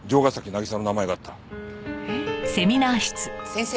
先生